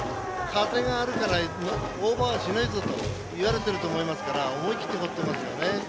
風があるからオーバーしないぞと言われてると思いますから思い切って放っていますよね。